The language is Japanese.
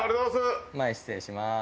前失礼します。